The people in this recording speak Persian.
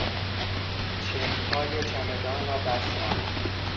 چفتهای چمدان را بستم.